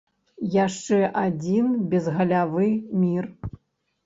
Яшчэ адзін безгалявы мір.